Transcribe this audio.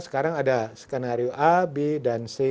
sekarang ada skenario a b dan c